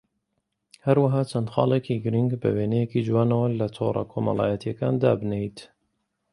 هەروەها چەند خاڵێکی گرنگ بە وێنەیەکی جوانەوە لە تۆڕە کۆمەڵایەتییەکان دابنێیت